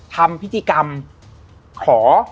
ทำพิธีกรรมขอ